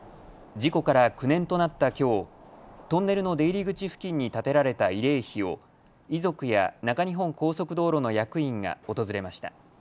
事故から９年となったきょうトンネルの出入り口付近に建てられた慰霊碑を遺族や中日本高速道路の役員が訪れました。